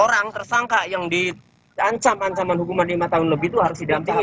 orang tersangka yang diancam ancaman hukuman lima tahun lebih itu harus didampingi